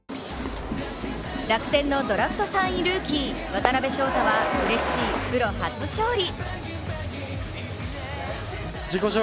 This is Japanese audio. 楽天のドラフト３位ルーキー、渡辺翔太はうれしいプロ初勝利。